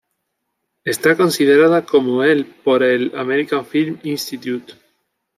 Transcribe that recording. Está considerada como el por el American Film Institute.